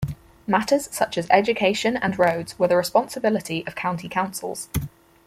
Matters such as education and roads were the responsibility of county councils.